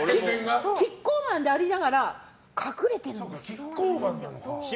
キッコーマンでありながら隠れてるんですよ。